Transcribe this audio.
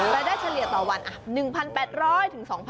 แต่ได้เฉลี่ยต่อวัน